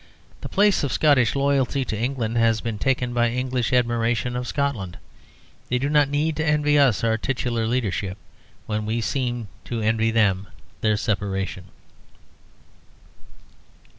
The place of Scottish loyalty to England has been taken by English admiration of Scotland. They do not need to envy us our titular leadership, when we seem to envy them their separation.